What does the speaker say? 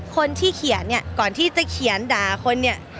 คนที่เขียนเนี่ยก่อนที่จะเขียนด่าคนเนี่ย